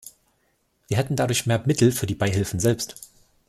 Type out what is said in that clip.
Wir hätten dadurch mehr Mittel für die Beihilfen selbst.